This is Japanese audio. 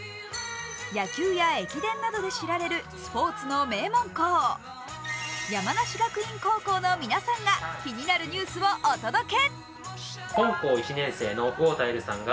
野球や駅伝などで知られるスポーツの名門校、山梨学院高校の皆さんが、気になるニュースをお届け。